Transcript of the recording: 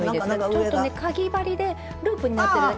ちょっとねかぎ針でループになってる。